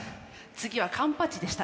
次はカンパチでしたね。